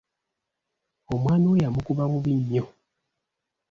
Omwami we yamukuba bubi nnyo.